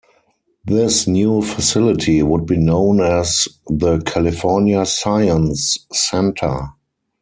This new facility would be known as the "California Science Center".